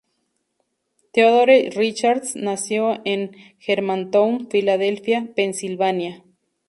Theodore Richards nació en Germantown, Filadelfia, Pensilvania.